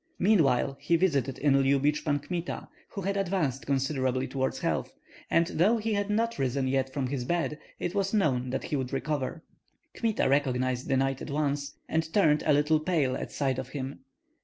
Meanwhile he visited in Lyubich Pan Kmita, who had advanced considerably toward health; and though he had not risen yet from his bed, it was known that he would recover. Kmita recognized the knight at once, and turned a little pale at sight of him.